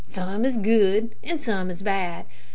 Some is good, an' some is bad.